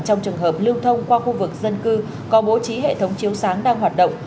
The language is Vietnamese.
trong trường hợp lưu thông qua khu vực dân cư có bố trí hệ thống chiếu sáng đang hoạt động